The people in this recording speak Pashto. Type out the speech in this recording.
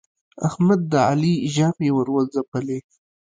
احمد د علي ژامې ور وځبلې.